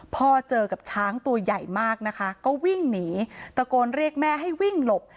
พ่อเจอกับช้างตัวใหญ่มากนะคะก็วิ่งหนีตะโกนเรียกแม่ให้วิ่งหลบ